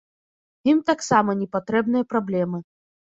Ім таксама не патрэбныя праблемы.